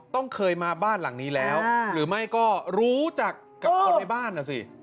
ต้องเคยมาบ้านหลังนี้แล้วหรือไม่ก็รู้จักกับคนในบ้านนะสิ